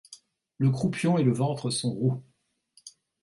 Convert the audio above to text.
Le croupion et le ventre sont roux.